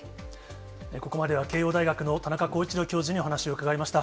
ここまでは慶応大学の田中浩一郎教授にお話を伺いました。